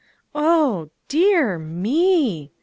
" Oh dear me !